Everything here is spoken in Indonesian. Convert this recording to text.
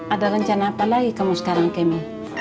ada rencana apa lagi kamu sekarang kemi